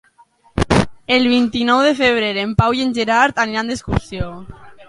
El vint-i-nou de febrer en Pau i en Gerard aniran d'excursió.